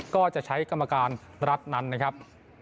ก็จะใช้กรรมการรัฐนั้นนะครับ